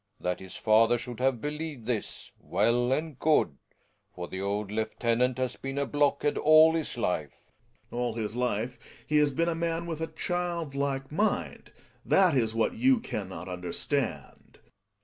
jThat his father should have believed this— well and good; /for the old lieutenant has been a blockhead all his life. Gregers. All his life he has been a man with a child like mind — that is what you can not understand.